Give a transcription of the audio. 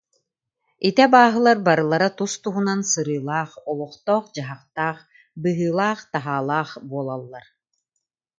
Ити абааһылар барылара тус-туһунан сырыылаах, олохтоох-дьаһахтаах, быһыылаах-таһаалаах буолаллар